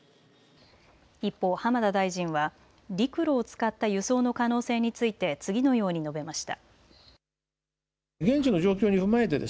一方、浜田大臣は陸路を使った輸送の可能性について次のように述べました。